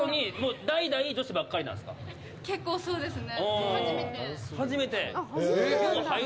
結構そうですね。